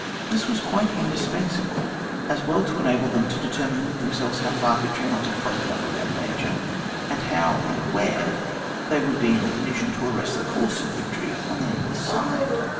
This was quite indispensable, as well to enable them to determine with themselves how far victory might be followed up without danger, and how and where they would be in a condition to arrest the course of victory on the enemy's side.